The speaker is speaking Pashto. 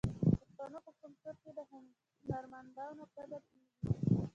د پښتنو په کلتور کې د هنرمندانو قدر کیږي.